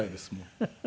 フフフフ。